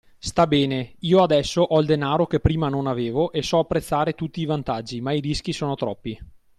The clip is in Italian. Sta bene: io adesso ho il denaro che prima non avevo e so apprezzare tutti i vantaggi, ma i rischi sono troppi.